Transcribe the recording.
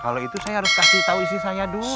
kalau itu saya harus kasih tahu isi saya dulu